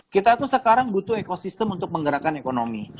kita tuh sekarang butuh ekosistem untuk menggerakkan ekonomi